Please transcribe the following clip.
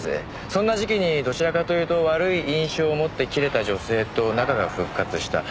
そんな時期にどちらかというと悪い印象を持って切れた女性と仲が復活した。